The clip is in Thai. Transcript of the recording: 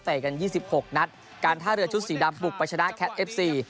กัน๒๖นัดการท่าเรือชุดสีดำบุกไปชนะแคทเอฟซี